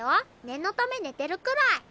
念のため寝てるくらい。